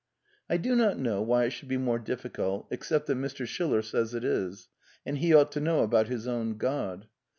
I do not know why it should be more difficult, except that Mr. Schiller says it is, and he ought to know about his own God.